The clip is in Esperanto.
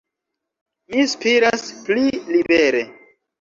Mi spiras pli libere.